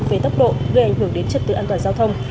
về tốc độ gây ảnh hưởng đến trật tự an toàn giao thông